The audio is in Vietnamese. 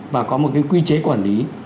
và có một cái quy chế quản lý